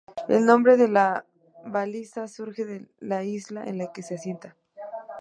El nombre de la baliza surge de la isla en la que se asienta.